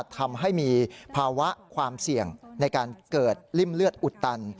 ทำให้มีภาวะความเสี่ยงในการเกิดริ่มเลือดอุดตัน